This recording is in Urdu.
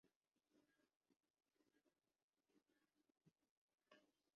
جو کرپشن کیسز کی وجہ سے اندر ہیں۔